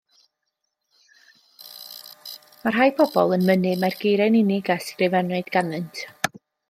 Mae rhai pobl yn mynnu mai'r geiriau'n unig a ysgrifennwyd ganddynt.